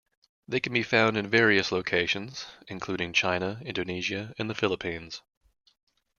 They can be found in various locations, including China, Indonesia, and the Philippines.